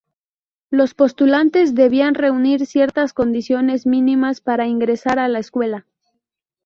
Los postulantes debían reunir ciertas condiciones mínimas para ingresar a la Escuela.